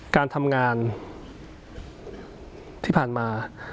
การทำงานที่ผ่านมา